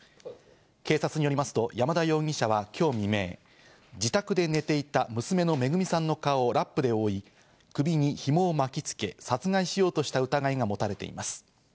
警察によりますと山田容疑者は今日未明、自宅で寝ていた娘のめぐみさんの顔をラップで覆い、首にひもを巻きつけ殺害しようとした疑いが持たれています。